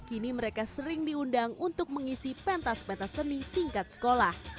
kini mereka sering diundang untuk mengisi pentas pentas seni tingkat sekolah